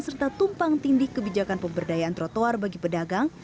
serta tumpang tindih kebijakan pemberdayaan trotoar bagi pedagang